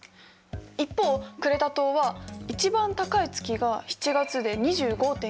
一方クレタ島は一番高い月が７月で２５．９度。